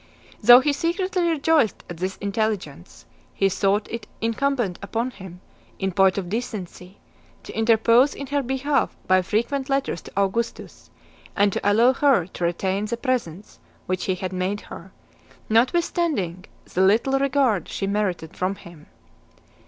Though he secretly rejoiced at this intelligence, he thought it incumbent upon him, in point of decency, to interpose in her behalf by frequent letters to Augustus, and to allow her to retain the presents which he had made her, notwithstanding the little regard she merited from him.